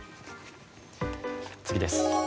次です。